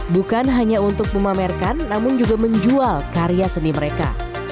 bukan hanya untuk memamerkan namun juga menjual karya seni mereka